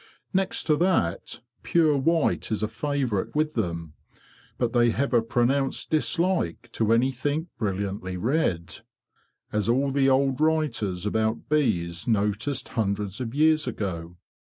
Next to that, pure white is a favourite with them; but they have a pronounced dislike to anything brilliantly red, as all the old writers about bees noticed hundreds of years ago.